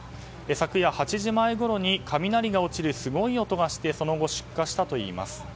昨夜８時前ごろに雷が落ちるすごい音がしてその後、出火したといいます。